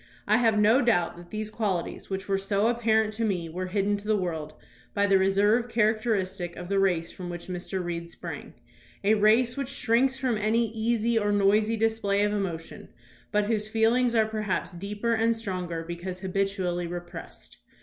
I have no doubt that these qualities which were so apparent to me were hidden to the world by the reserve characteristic of the race from which Mr. Reed sprang — a race which shrinks from any easy or noisy display of emotion, but whose feel ings are perhaps deeper and stronger because habitually repressed.